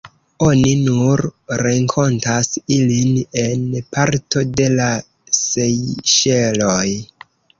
Oni nur renkontas ilin en parto de la Sejŝeloj.